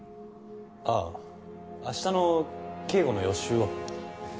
ああ明日の警護の予習を。